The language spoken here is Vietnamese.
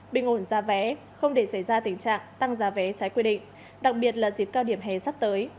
bình ổn giá vé không để xảy ra tình trạng tăng giá vé trái quy định đặc biệt là dịp cao điểm hè sắp tới